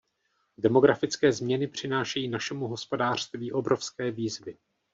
Demografické změny přinášejí našemu hospodářství obrovské výzvy.